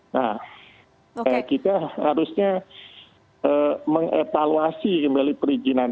nah kita harusnya mengevaluasi kembali perizinan